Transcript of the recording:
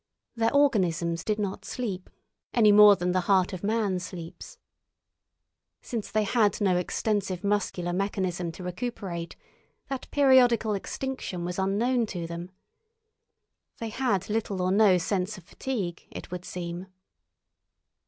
Their organisms did not sleep, any more than the heart of man sleeps. Since they had no extensive muscular mechanism to recuperate, that periodical extinction was unknown to them. They had little or no sense of fatigue, it would seem.